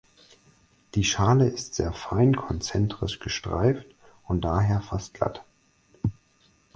Die Schale ist sehr fein konzentrisch gestreift und daher fast glatt.